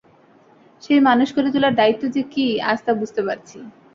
সেই মানুষ করে তোলার দায়িত্ব যে কী আজ তা বুঝতে পারছি।